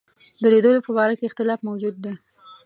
د لیدلو په باره کې اختلاف موجود دی.